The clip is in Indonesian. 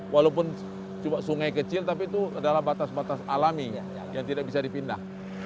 walaupun cuma sungai kecil tapi itu adalah batas batas alami yang tidak bisa dipindah